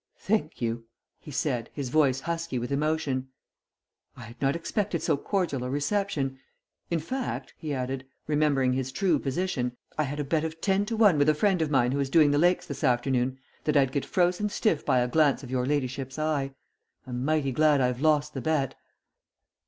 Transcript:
"Thank you," he said, his voice husky with emotion. "I had not expected so cordial a reception. In fact," he added, remembering his true position, "I had a bet of ten to one with a friend of mine who is doing the Lakes this afternoon that I'd get frozen stiff by a glance of your ladyship's eye. I'm mighty glad I've lost the bet."